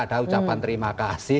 ada ucapan terima kasih